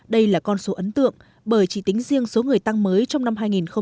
đây là con số ấn tượng bởi chỉ tính riêng số người tăng mới trong năm hai nghìn một mươi tám